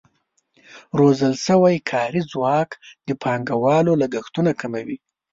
روزل شوی کاري ځواک د پانګوالو لګښتونه کموي.